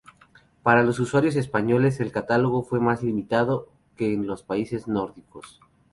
Para los usuarios españoles, el catálogo fue más limitado que en los países nórdicos.